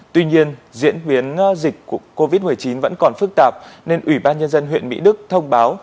tuy nhiên diễn biến dịch covid một mươi chín vẫn còn phức tạp nên ủy ban nhân dân huyện mỹ đức thông báo